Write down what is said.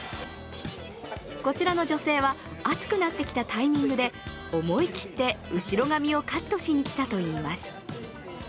こちらの女性は暑くなってきたタイミングで、思い切って後ろ髪をカットしに来たといいます。